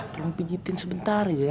perlu pijetin sebentar aja sayangnya